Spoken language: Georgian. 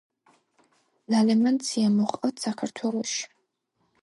ლალემანცია მოჰყავთ საქართველოში.